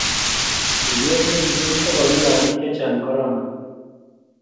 uliet ne kilugui sobonwekab biik che chang' corona